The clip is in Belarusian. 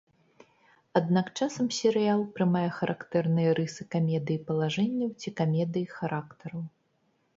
Аднак часам серыял прымае характэрныя рысы камедыі палажэнняў ці камедыі характараў.